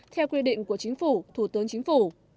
theo quy định của chính phủ thủ tướng chính phủ